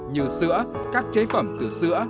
như sữa các chế phẩm từ sữa